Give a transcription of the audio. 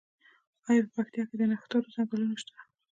آیا په پکتیا کې د نښترو ځنګلونه شته؟